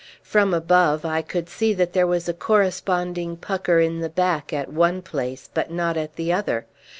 From above I could see that there was a corresponding pucker in the back at one place, but not at the other.